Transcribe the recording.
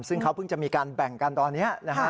ซึ่งเขาเพิ่งจะมีการแบ่งกันตอนนี้นะฮะ